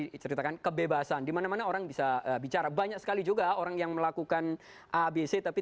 diceritakan kebebasan dimana mana orang bisa bicara banyak sekali juga orang yang melakukan abc tapi